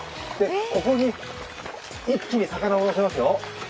ここに一気に魚を戻しますよ。